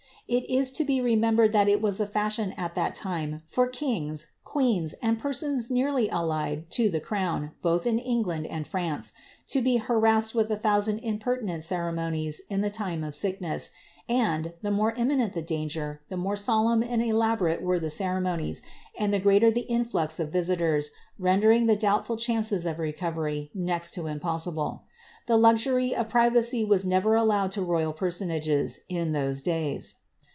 It is to be remembered that it was the fashion at that time for kings, queens, and persons nearly allied to the crown, both in Eng land and France, to be harassed with a thousand impertinent ceremo nies in the time of sickness, and, the more imminent the danger, the more solemn and elaborate were the ceremonies, and the greater the in flux of visitors, rendering the doubtful chances of recovery next to impossible. The luxur>' of privacy was never allowed to royal person ages in those days.